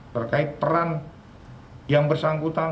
berkait peran yang bersangkutan